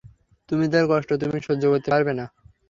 তুমি তার কষ্ট তুমি সহ্য করতে পারবে না।